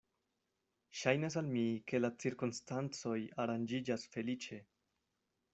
Ŝajnas al mi, ke la cirkonstancoj aranĝiĝas feliĉe.